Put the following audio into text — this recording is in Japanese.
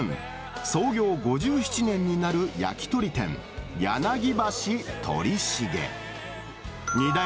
創業５７年になる焼き鳥店、柳橋鳥茂。